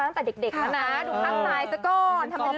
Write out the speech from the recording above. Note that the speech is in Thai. ตั้งแต่เด็กนะนะถ้าไม้เนินเป้าหมาย